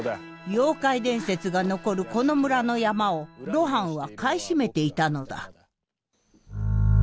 妖怪伝説が残るこの村の山を露伴は買い占めていたのだ。